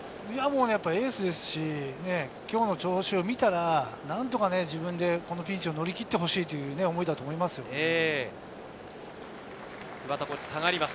エースですし今日の調子を見たら何とか自分でこのピンチを乗り切ってほしいという思いだと思います。